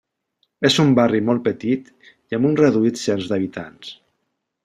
És un barri molt petit i amb un reduït cens d'habitants.